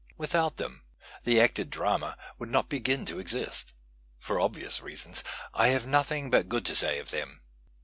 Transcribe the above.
Without them the acted drama would not begin to exist. For obvious reasons, I have nothing but good to say of them.